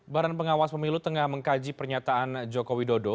badan pengawas pemilu tengah mengkaji pernyataan jokowi dodo